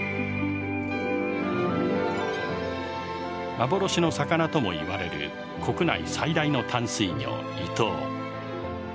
幻の魚とも言われる国内最大の淡水魚イトウ。